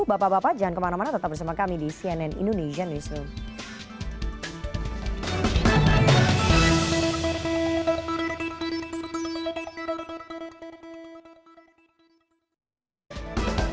bapak bapak jangan kemana mana tetap bersama kami di cnn indonesian newsroom